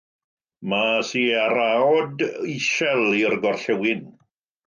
Mae sieraod isel i'r gorllewin.